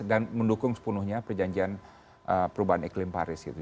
mendukung sepenuhnya perjanjian perubahan iklim paris gitu